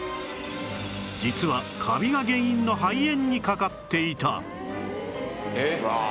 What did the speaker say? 実はカビが原因の肺炎にかかっていた